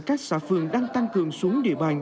các xã phường đang tăng cường xuống địa bàn